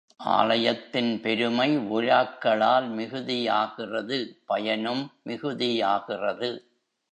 ஆலயத்தின் பெருமை விழாக்களால் மிகுதியாகிறது பயனும் மிகுதியாகிறது.